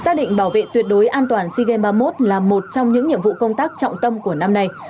xác định bảo vệ tuyệt đối an toàn sea games ba mươi một là một trong những nhiệm vụ công tác trọng tâm của năm nay